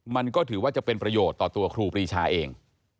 มันก็ถือว่าจะเป็นประโยชน์ต่อตัวครูปรีชาเอง